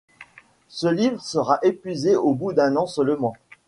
Ce livre sera épuisé au bout d'un an seulement.